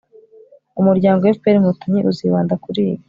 umuryango fpr-inkotanyi uzibanda kuri ibi